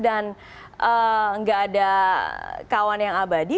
dan tidak ada kawan yang abadi